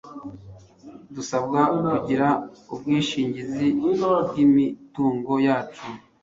dusabwa kugira ubwishingizi bw'imitungo yacu